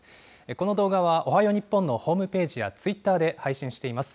この動画は、おはよう日本のホームページやツイッターで配信しています。